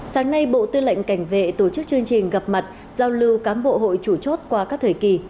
sáng nay bộ tư lệnh cảnh vệ tổ chức chương trình gặp mặt giao lưu cán bộ hội chủ chốt qua các thời kỳ